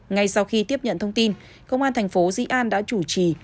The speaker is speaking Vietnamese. ngay sau khi tiếp nhận thông tin công an thành phố di an đã chủ trì